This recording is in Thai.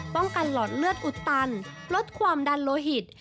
ป้องกันหลอดเลือดอุดตันลดความดันโลหิต